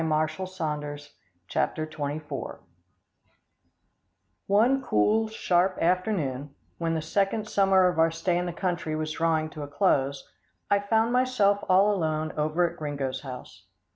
CHAPTER XXIV SIR EDWARD MEDLINGTON One cool, sharp afternoon, when the second summer of our stay in the country was drawing to a close, I found myself all alone over at Gringo's house.